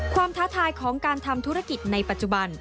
ท้าทายของการทำธุรกิจในปัจจุบัน